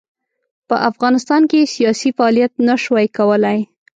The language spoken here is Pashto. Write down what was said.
په افغانستان کې یې سیاسي فعالیت نه شوای کولای.